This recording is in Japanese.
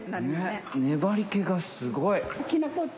粘り気がすごい。